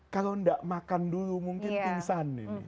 kalau tidak makan dulu mungkin pingsan ini